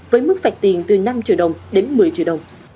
với mức phạt tiền từ năm triệu đồng đến một mươi triệu đồng